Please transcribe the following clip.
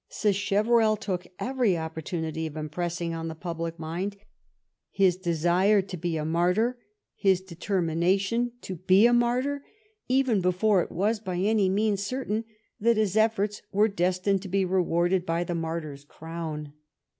Sachev erell took every opportunity of impressing on the public mind his desire to be a martyr, his determina 290 SACHEYEBELL tion to be a martyr, even before it was by any means certain that his efforts were destined to be rewarded by the martyr's crown.